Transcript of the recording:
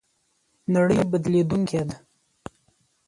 نړۍ بدلېدونکې ده